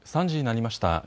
３時になりました。